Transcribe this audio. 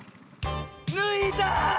ぬいだ！